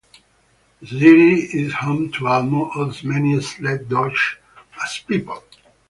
The city is home to almost as many sled-dogs as people.